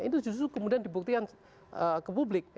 itu justru kemudian dibuktikan ke publik